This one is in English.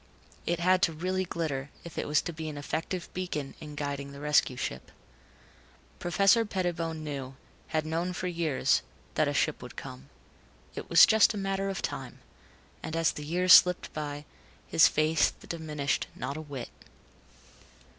It had to really glitter if it was to be an effective beacon in guiding the rescue ship. Professor Pettibone knew had known for years that a ship would come. It was just a matter of time, and as the years slipped by, his faith diminished not a whit.